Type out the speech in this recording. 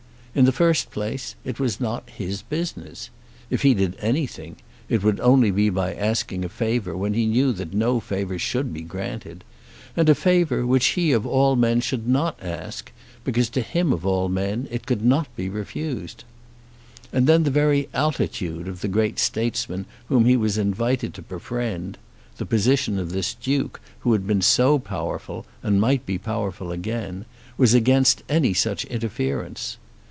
In the first place it was not his business. If he did anything, it would only be by asking a favour when he knew that no favour should be granted; and a favour which he of all men should not ask, because to him of all men it could not be refused. And then the very altitude of the great statesman whom he was invited to befriend, the position of this Duke who had been so powerful and might be powerful again, was against any such interference.